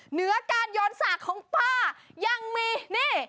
เหนือการโยนสากของป้ายังมีนี่